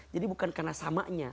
jadi bukan karena samanya